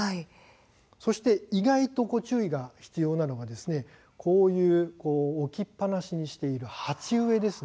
そして意外と注意が必要なのが置きっぱなしにしている鉢植えです。